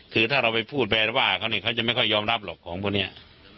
คือถ้าเราไปพูดไปว่าเขาเนี่ยเขาจะไม่ค่อยยอมรับหรอกของพวกนี้